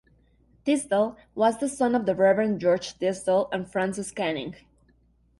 Tisdall was the son of the Reverend George Tisdall and Frances Canning.